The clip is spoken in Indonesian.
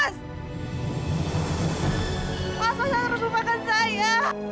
masya selalu lupakan saya